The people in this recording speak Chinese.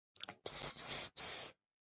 圣马尔克杜科。